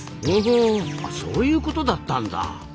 ほほうそういうことだったんだ。